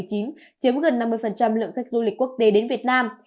chiếm gần năm mươi lượng khách du lịch quốc tế đến việt nam